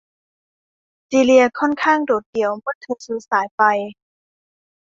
ซีเลียค่อนข้างโดดเดี่ยวเมื่อเธอซื้อสายไฟ